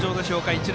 一塁